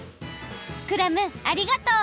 クラムありがとう！